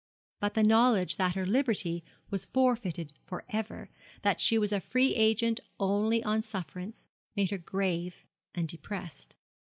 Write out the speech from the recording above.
But the knowledge that her liberty was forfeited for ever, that she was a free agent only on sufferance, made her grave and depressed.